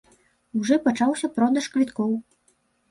Ужо пачаўся продаж квіткоў.